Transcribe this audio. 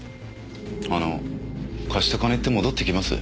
あの貸した金って戻ってきます？